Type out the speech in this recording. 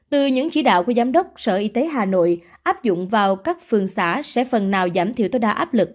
từ những chỉ đạo của giám đốc sở y tế hà nội áp dụng vào các phương xã sẽ phần nào giảm thiểu tối đa áp lực